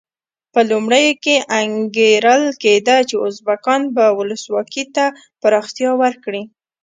په لومړیو کې انګېرل کېده چې ازبکستان به ولسواکي ته پراختیا ورکړي.